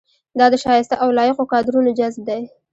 دا د شایسته او لایقو کادرونو جذب دی.